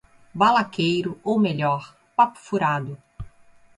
Balaqueiro, ou melhor, papo-furado